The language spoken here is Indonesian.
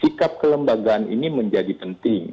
sikap kelembagaan ini menjadi penting